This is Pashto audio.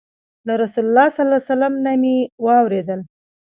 له رسول الله صلى الله عليه وسلم نه مي واورېدل